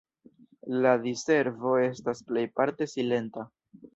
La diservo estas plejparte silenta.